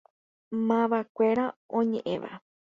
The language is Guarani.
Mavakuéra oñe'ẽva.